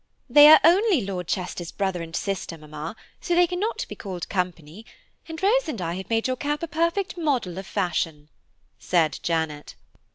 "They are only Lord Chester's brother and sister, mamma, so they cannot be called company; and Rose and I have made your cap a perfect model of fashion," said Janet.